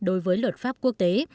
đối với luật pháp quốc tế